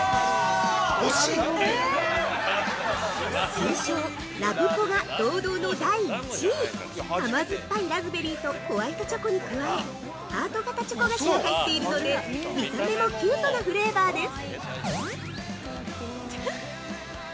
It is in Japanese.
◆通称「ラブポ」が堂々の第１位甘酸っぱいラズベリーとホワイトチョコに加え、ハート型チョコ菓子が入っているので見た目もキュートなフレーバーです◆